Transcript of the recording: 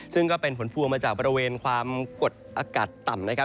ซึ่งก็เป็นฝนพลัวมาจากบริเวณความกดอากาศต่ำ